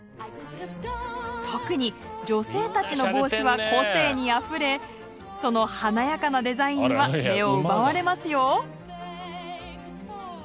特に女性たちの帽子は個性にあふれその華やかなデザインには目を奪われますよ。